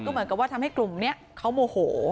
เหมือนกับว่าทำให้กลุ่มนี้เขาโมโห